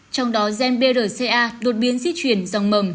trong đó gen brca đột biến di chuyển dòng mầm